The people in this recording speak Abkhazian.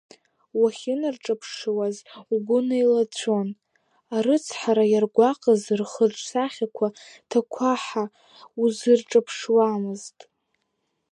Уахьынарҿаԥшуаз угәы неилаҵәон, арыцҳара иаргәаҟыз рхырҿсахьақәа ҭакәаҳа узырҿаԥшуамызт.